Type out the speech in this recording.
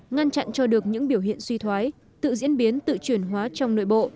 ngăn chặn cho được những biểu hiện suy thoái tự diễn biến tự chuyển hóa trong nội bộ